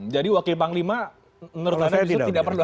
jadi wakil panglima menurut anda tidak perlu ada